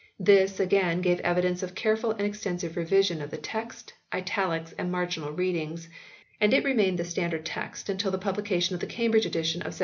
This again gave evidence of careful and extensive revision of the text, italics, and marginal readings, and it remained the standard text until the publication of the Cam bridge edition of 1762.